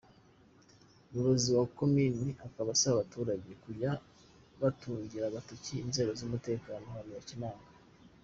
Umuyobozi wa komini akaba asaba abaturage kujya batungira agatoki inzego z’umutekano abantu bakemanga.